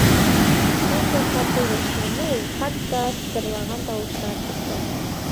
Шундай ҡаты йәшнәне ул, хатта сытырлаған тауыштар сыҡты.